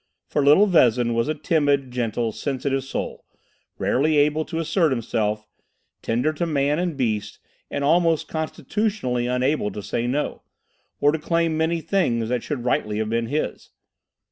For little Vezin was a timid, gentle, sensitive soul, rarely able to assert himself, tender to man and beast, and almost constitutionally unable to say No, or to claim many things that should rightly have been his.